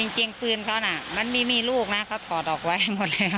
จริงปืนเขาน่ะมันไม่มีลูกนะเขาถอดออกไว้หมดเลยนะ